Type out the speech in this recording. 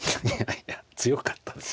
いや強かったです。